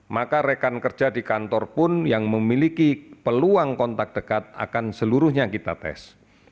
maka rekan kerja di kantor pun yang memiliki peluang kontak dekat akan seluruhnya kita tes